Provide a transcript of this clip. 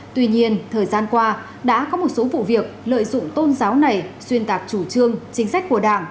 tuy nhiên thời gian qua đã có một số vụ việc lợi dụng tôn giáo này xuyên tạc chủ trương chính sách của đảng